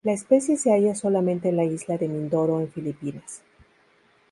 La especie se halla solamente en la isla de Mindoro en Filipinas.